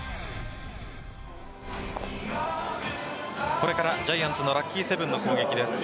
これからジャイアンツのラッキーセブンの攻撃です。